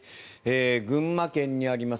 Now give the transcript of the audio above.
群馬県にあります